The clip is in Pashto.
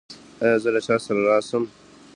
ایا زه له چا سره راشم؟